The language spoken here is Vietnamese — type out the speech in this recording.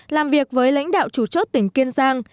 làm việc với lãnh đạo chủ chốt tỉnh kiên giang